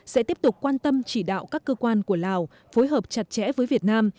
sẽ tiếp tục quan tâm chỉ đạo các cơ quan của lào phối hợp chặt chẽ với việt nam